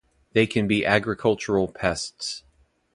They can be agricultural pests.